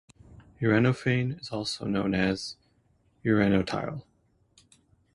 Uranophane is also known as "uranotile".